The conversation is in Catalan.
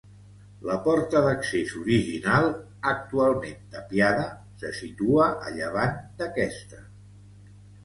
La porta d'accés original, actualment tapiada, se situa a llevant d'aquesta.